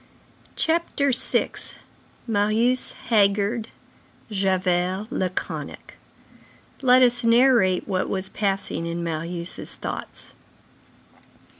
CHAPTER VI—MARIUS HAGGARD, JAVERT LACONIC Let us narrate what was passing in Marius' thoughts.